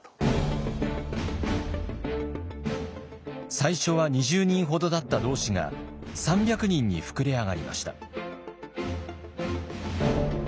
最初は２０人ほどだった同志が３００人に膨れ上がりました。